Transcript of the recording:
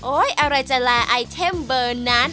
โอ๊ยอะไรจะลายไอเทมเบอร์นนั้น